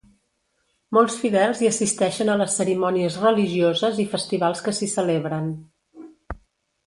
Molts fidels hi assisteixen a les cerimònies religioses i festivals que s'hi celebren.